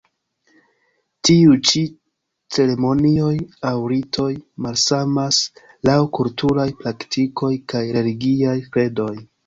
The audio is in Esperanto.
Tiuj ĉi ceremonioj aŭ ritoj malsamas laŭ kulturaj praktikoj kaj religiaj kredoj.